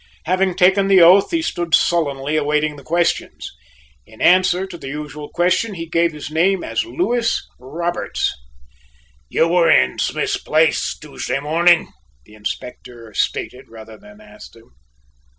Having taken the oath, he stood sullenly awaiting the questions. In answer to the usual question he gave his name as Lewis Roberts. "You were in Smith's place Tuesday morning," the Inspector stated, rather than asked him.